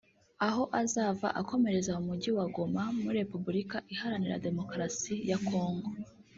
aho azava akomereza mu mujyi wa Goma muri Repubulika Iharanira Demokarasi ya Congo